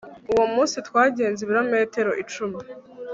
uwo munsi twagenze ibirometero icumi